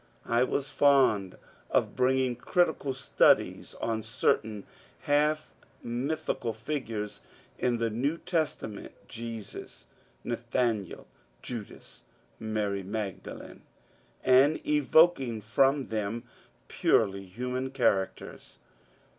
I was fond of bring ing critical studies on certain half mythical figures in the New Testament, — Jesus, Nathanael, Judas, Mary Magdalene, — and eyoking from them purely human characters.